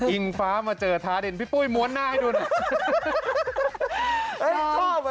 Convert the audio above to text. อิงฟ้ามาเจอท้าเด่นพี่ปุ้ยม้วนหน้าให้ดูเนี่ย